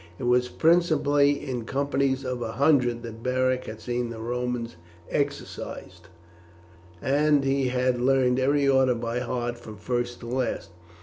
It was principally in companies of a hundred that Beric had seen the Romans exercised, and he had learned every order by heart from first to last.